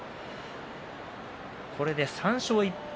これで３勝１敗。